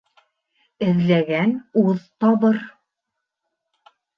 Эҙләгән уҙ табыр.